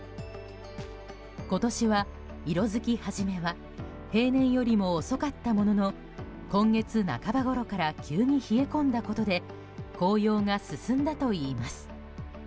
今年は色づき始めは平年よりも遅かったものの今月半ばごろから急に冷え込んだことで紅葉が進んだといいます。